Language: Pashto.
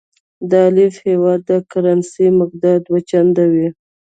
د الف هیواد د کرنسۍ مقدار دوه چنده وي.